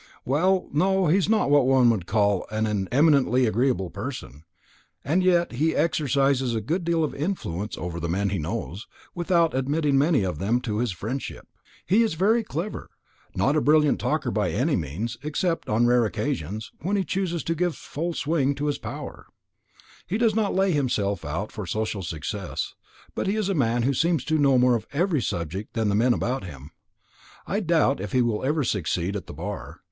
"Well, no, he is not what one could well call an eminently agreeable person. And yet he exercises a good deal of influence over the men he knows, without admitting many of them to his friendship. He is very clever; not a brilliant talker by any means, except on rare occasions, when he chooses to give full swing to his powers; he does not lay himself out for social successes; but he is a man who seems to know more of every subject than the men about him. I doubt if he will ever succeed at the Bar.